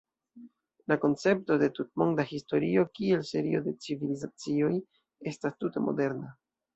La koncepto de tutmonda historio kiel serio de "civilizacioj" estas tute moderna.